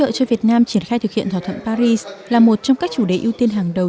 hỗ trợ cho việt nam triển khai thực hiện thỏa thuận paris là một trong các chủ đề ưu tiên hàng đầu